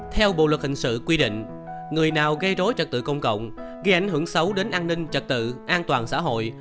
theo bộ luật hình sự quy định người nào gây rối trật tự công cộng gây ảnh hưởng xấu đến an ninh trật tự an toàn xã hội